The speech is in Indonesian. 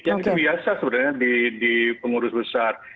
yang itu biasa sebenarnya di pengurus besar